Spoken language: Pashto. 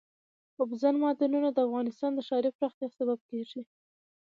اوبزین معدنونه د افغانستان د ښاري پراختیا سبب کېږي.